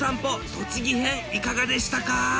栃木編いかがでしたか？